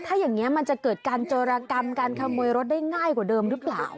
ถ้าอย่างนี้มันจะเกิดการโจรกรรมการขโมยรถได้ง่ายกว่าเดิมหรือเปล่า